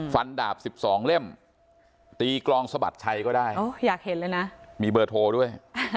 ดาบ๑๒เล่มตีกลองสะบัดชัยก็ได้อยากเห็นเลยนะมีเบอร์โทรด้วย